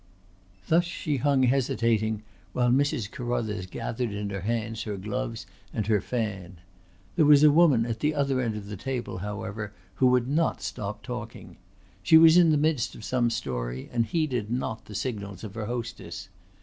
Thus she hung hesitating while Mrs. Carruthers gathered in her hands her gloves and her fan. There was a woman at the other end of the table however who would not stop talking. She was in the midst of some story and heeded not the signals of her hostess.